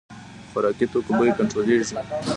د خوراکي توکو بیې کنټرولیږي